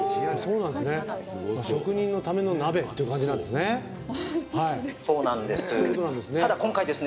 職人のための鍋という感じなんですね。